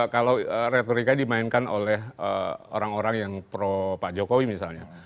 kalau retorika dimainkan oleh orang orang yang pro pak jokowi misalnya